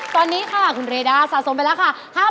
ตอนนี้ค่ะคุณเรด้าสะสมไปแล้วค่ะ